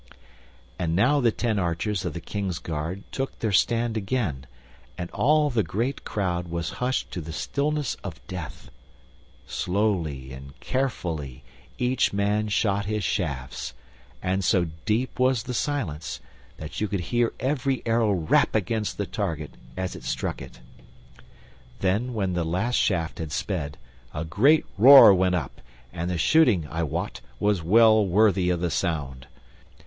And now the ten archers of the King's guard took their stand again, and all the great crowd was hushed to the stillness of death. Slowly and carefully each man shot his shafts, and so deep was the silence that you could hear every arrow rap against the target as it struck it. Then, when the last shaft had sped, a great roar went up; and the shooting, I wot, was well worthy of the sound.